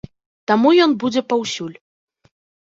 Таму ён будзе паўсюль.